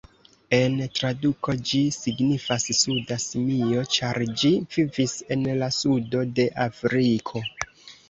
En traduko ĝi signifas "suda simio", ĉar ĝi vivis en la sudo de Afriko.